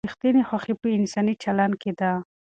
ریښتینې خوښي په انساني چلند کې ده.